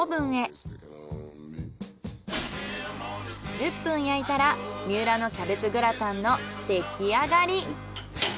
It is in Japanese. １０分焼いたら三浦のキャベツグラタンの出来上がり。